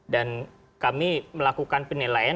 dan kami melakukan penilaian